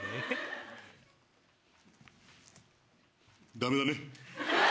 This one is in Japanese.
ダメだね。